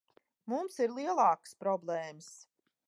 Mums ir lielākas problēmas.